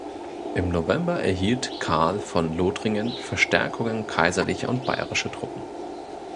Im November erhielt Karl von Lothringen Verstärkungen kaiserlicher und bayerischer Truppen.